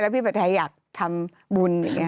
แล้วพี่ภัทรายอยากทำบุญอย่างนี้